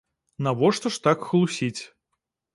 Навошта ж так хлусіць?